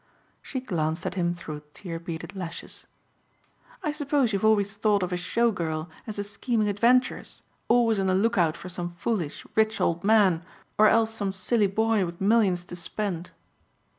She glanced at him through tear beaded lashes. "I suppose you've always thought of a show girl as a scheming adventuress always on the lookout for some foolish, rich old man or else some silly boy with millions to spend."